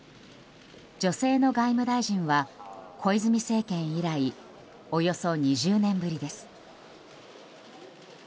女性の外務大臣は、小泉政権以来およそ２０年ぶりです。